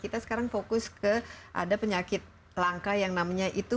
kita sekarang fokus ke ada penyakit langka yang namanya itu